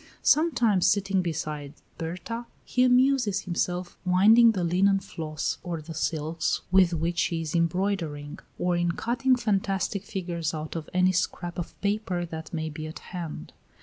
Sometimes, sitting beside Berta, he amuses himself winding the linen floss or the silks with which she is embroidering, or in cutting fantastic figures out of any scrap of paper that may be at hand.